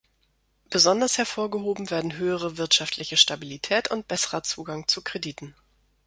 Besonders hervorgehoben werden höhere wirtschaftliche Stabilität und besserer Zugang zu Krediten.